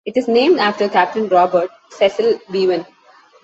It is named after Captain Robert Cecil Beavan.